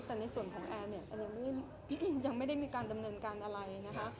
แต่ในส่วนของแอร์เนี่ยแอนยังไม่ได้มีการดำเนินการอะไรนะคะ